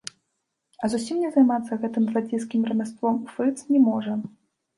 А зусім не займацца гэтым зладзейскім рамяством фрыц не можа.